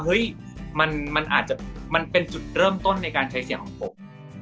เฮ้ยมันอาจจะมันเป็นจุดเริ่มต้นในการใช้เสียงของผม